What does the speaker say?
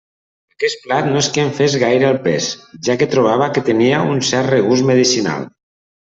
Aquest plat no és que em fes gaire el pes, ja que trobava que tenia un cert regust medicinal.